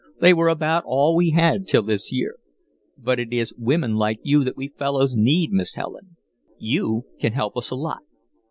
They were about all we had till this year. But it is women like you that we fellows need, Miss Helen. You can help us a lot."